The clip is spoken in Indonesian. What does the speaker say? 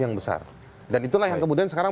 yang besar dan itulah yang kemudian sekarang